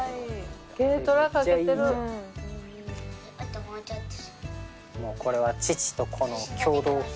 あともうちょっと。